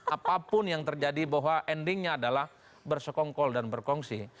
apapun yang terjadi bahwa endingnya adalah bersekongkol dan berkongsi